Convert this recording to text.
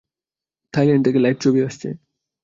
Thailand থেকে live ছবি আসছে।